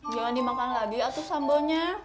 jangan dimakan lagi atuh sambonya